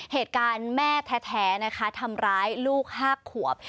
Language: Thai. เหตุการณ์แม่แท้นะคะทำร้ายลูก๕ขวบ